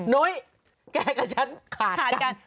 นุ้ยแกกับฉันขาดขาดกัน